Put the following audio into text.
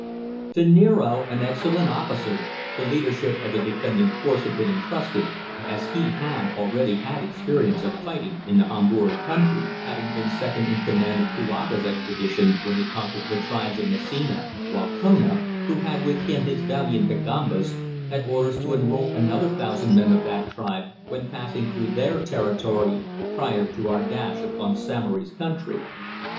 To Niaro, an excellent officer, the leadership of the defending force had been entrusted, as he had already had experience of fighting in the Hombori country, having been second in command of Kouaga's expedition when he conquered the tribes of Massina, while Kona, who had with him his valiant Dagombas, had orders to enrol another thousand men of that tribe when passing through their territory, prior to our dash upon Samory's country.